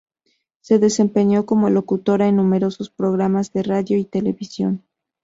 Se desempeñó como locutora en numerosos programas de radio y televisión.